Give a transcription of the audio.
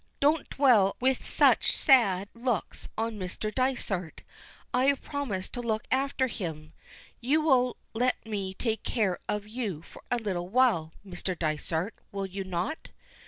Don't dwell with such sad looks on Mr. Dysart, I have promised to look after him. You will let me take care of you for a little while, Mr. Dysart, will you not?"